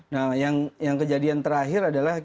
nah yang kejadian terakhir adalah